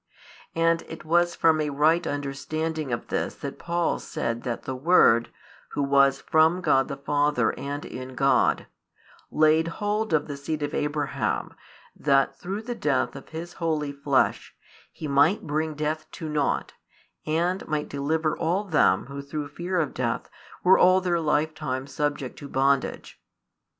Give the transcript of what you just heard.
And it was from a right understanding of this that Paul said that the Word, Who was from God the Father and in God, laid hold of the seed of Abraham, that through the death of His holy Flesh, He might bring death to nought, and might deliver all them who through fear of death were all their lifetime subject to bondage.